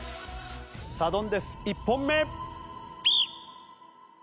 サドンデス１本目。